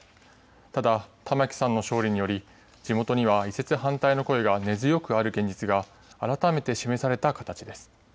ただ、玉城さんの勝利により、地元には移設反対の声が根強くある現実が改めて示された形です。